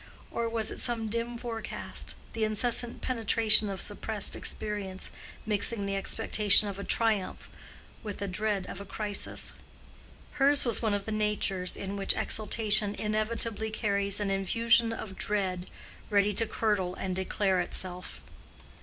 or was it some dim forecast, the insistent penetration of suppressed experience, mixing the expectation of a triumph with the dread of a crisis? Hers was one of the natures in which exultation inevitably carries an infusion of dread ready to curdle and declare itself.